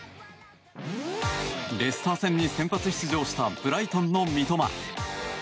レスター戦に先発出場したブライトンの三笘。